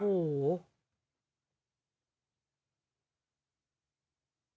โอ้โฮ